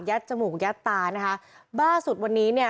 จมูกยัดตานะคะล่าสุดวันนี้เนี่ย